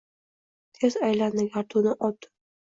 Ters aylandi garduni dun